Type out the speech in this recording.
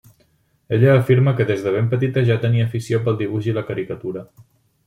Ella afirma que des de ben petita ja tenia afició pel dibuix i la caricatura.